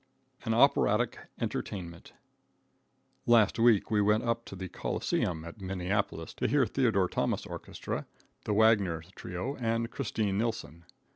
An Operatic Entertainment. Last week we went up to the Coliseum, at Minneapolis, to hear Theodore Thomas' orchestra, the Wagner trio and Christine Nilsson.